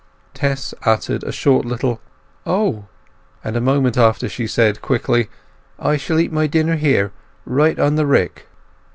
Tess uttered a short little "Oh!" And a moment after she said, quickly, "I shall eat my dinner here—right on the rick."